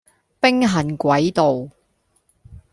兵行詭道